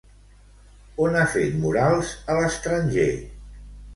On ha fet murals a l'estranger?